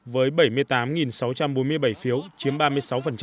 với bảy mươi tám sáu trăm bốn mươi bảy phiếu chiếm ba mươi sáu